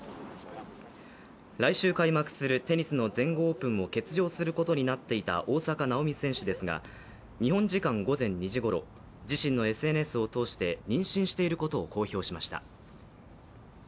来週開幕するテニスの全豪オープンを欠場することになっていた大坂なおみ選手ですが日本時間午前２時ごろ、自身のＳＮＳを通して妊娠していることを公表しました。